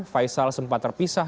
faisal sempat terpisah